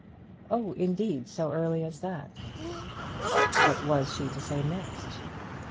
"Oh, indeed; so early as that." What was she to say next?